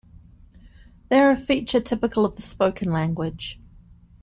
They are a feature typical of the spoken language.